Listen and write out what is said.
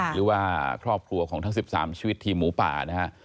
หรือว่าครอบครัวของทั้ง๑๓ชีวิตทีมหมูป่านะฮะ